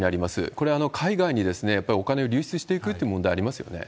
これ、海外にやっぱりお金を流出していくって問題ありますよね。